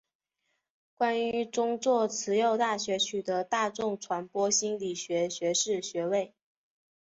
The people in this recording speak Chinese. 并于宗座慈幼大学取得大众传播心理学学士学位。